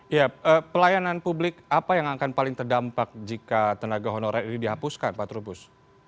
ya pelayanan publik apa yang akan paling terdampak jika tenaga honorer ini dihapuskan pak trubus